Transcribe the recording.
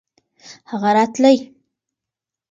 هغه راتلی .